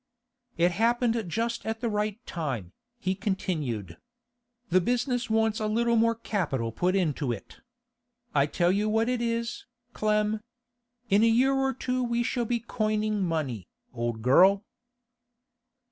'It happened just at the right time,' he continued. 'The business wants a little more capital put into it. I tell you what it is, Clem; in a year or two we shall be coining money, old girl.